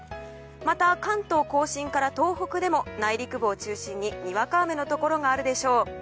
また関東・甲信から東北でも内陸部を中心ににわか雨のところがあるでしょう。